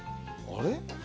あれ？